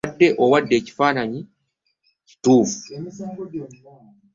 Obadde owadde ekifaananyi ekituufu.